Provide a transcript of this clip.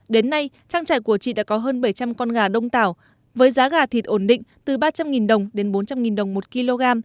đến nay trang trại của chị đã có hơn bảy trăm linh con gà đông tảo với giá gà thịt ổn định từ ba trăm linh đồng đến bốn trăm linh đồng một kg